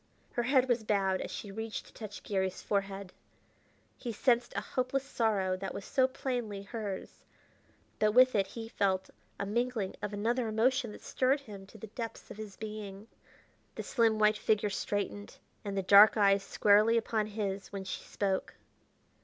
Her head was bowed as she reached to touch Garry's forehead. He sensed a hopeless sorrow that was so plainly hers, but with it he felt a mingling of another emotion that stirred him to the depths of his being. The slim, white figure straightened, and the dark eyes squarely upon his when she spoke.